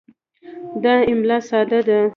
دا املا ساده ده.